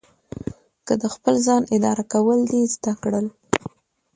که د خپل ځان اداره کول دې زده کړل.